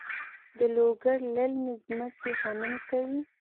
د لوګر للمي ځمکې غنم کوي؟